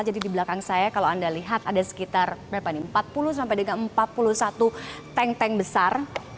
jadi di belakang saya kalau anda lihat ada sekitar empat puluh sampai empat puluh satu tank tank besar